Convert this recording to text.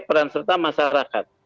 peran serta masyarakat